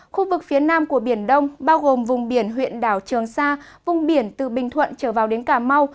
khu vực phía nam của biển đông bao gồm vùng biển huyện đảo trường sa vùng biển từ bình thuận trở vào đến cà mau